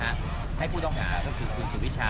ไม่ใช่นี่คือบ้านของคนที่เคยดื่มอยู่หรือเปล่า